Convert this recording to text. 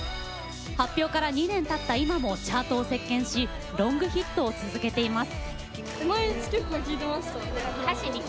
発表から２年たった今もチャートを席けんしロングヒットを続けています。